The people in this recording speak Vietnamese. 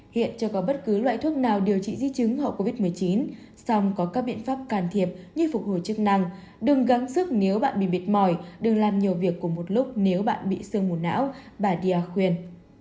hiện cho có bất cứ loại thuốc nào điều trị di chứng hậu covid một mươi chín song có các biện pháp càn thiệp như phục hồi chức năng đừng gắng sức nếu bạn bị mệt mỏi đừng làm nhiều việc của một lúc nếu bạn bị sương mùn não bà dia khuyên